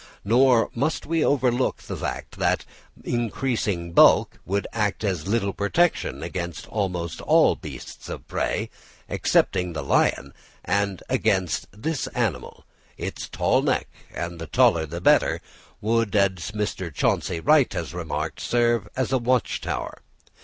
Nor must we overlook the fact, that increased bulk would act as a protection against almost all beasts of prey excepting the lion; and against this animal, its tall neck—and the taller the better—would, as Mr. Chauncey Wright has remarked, serve as a watch tower.